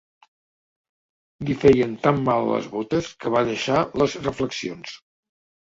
Li feien tan mal les botes que va deixar les reflexions